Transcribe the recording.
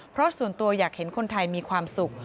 เพราะส่วนตัวอยากเห็นคนไทยมีความสุข